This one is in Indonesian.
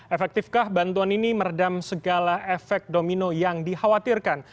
efektifkah bantuan ini meredam segala efek domino yang dikhawatirkan